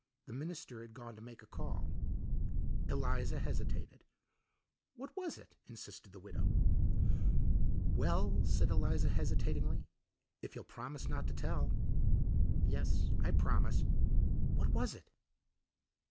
The minister had gone to make a call. Eliza hesitated. "What was it?" insisted the widow. "Well," said Eliza hesitatingly, "if you'll promise not to tell." "Yes, I promise; what was it?"